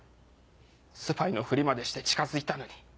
スパイのフリまでして近づいたのに。